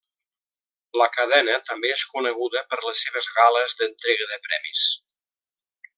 La cadena també és coneguda per les seves gales d'entrega de premis.